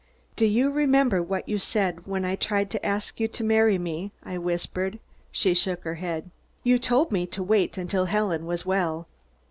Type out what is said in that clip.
"Do you remember what you said when I tried to ask you to marry me?" I whispered. She shook her head. "You told me to wait until Helen was well."